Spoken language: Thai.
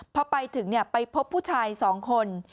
พอไปถึงไปพบผู้ชาย๒คน